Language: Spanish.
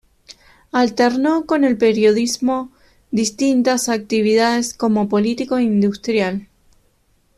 Alternó con el periodismo distintas actividades como político e industrial.